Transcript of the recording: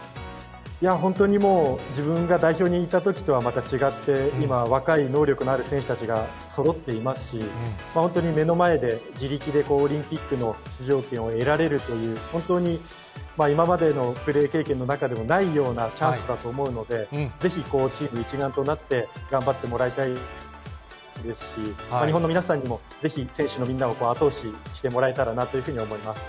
本当にもう自分が代表にいたときとはまた違って、今、若い能力のある選手たちがそろっていますし、本当に目の前で、自力でオリンピックの出場権を得られるという、本当に今までのプレー経験の中でもないようなチャンスだと思うので、ぜひ、チーム一丸となって頑張ってもらいたいですし、日本の皆さんにも、ぜひ選手を後押ししてもらえたらなと思います。